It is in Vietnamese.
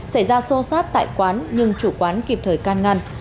xảy ra xô xát tại quán nhưng chủ quán kịp thời can ngăn